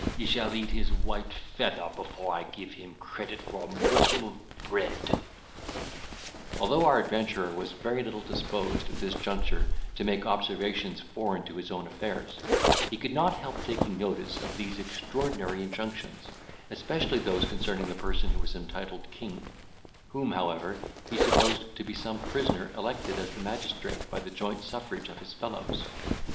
he shall eat his white feather, before I give him credit for a morsel of bread." Although our adventurer was very little disposed, at this juncture, to make observations foreign to his own affairs, he could not help taking notice of these extraordinary injunctions; especially those concerning the person who was entitled king, whom, however, he supposed to be some prisoner elected as the magistrate by the joint suffrage of his fellows.